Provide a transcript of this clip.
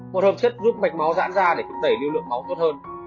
một hợp chất giúp mạch máu giãn ra để thúc đẩy lưu lượng máu tốt hơn